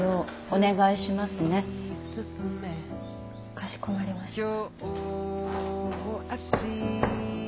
かしこまりました。